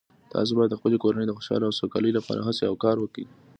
تاسو باید د خپلې کورنۍ د خوشحالۍ او سوکالۍ لپاره هڅې او کار وکړئ